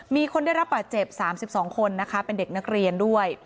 มีคนได้รับบาดเจ็บ๓๒คนนะคะเป็นเด็กนักเรียนด้วย